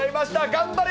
頑張れ！